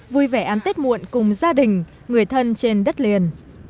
vui vẻ ăn tết muộn cùng gia đình người thân trên đất liền